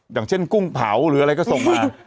อย่างเช่นกุ้งเผาหรืออะไรก็ส่งมา